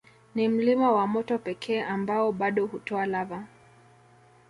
Ni mlima wa moto pekee ambao bado hutoa lava